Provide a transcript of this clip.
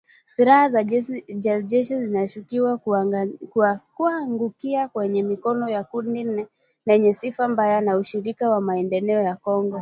Silaha za jeshi zinashukiwa kuangukia kwenye mikono ya kundi lenye sifa mbaya la Ushirika kwa Maendeleo ya Kongo.